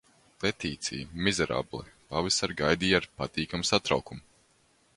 Letīcija Mizerable pavasari gaidīja ar patīkamu satraukumu.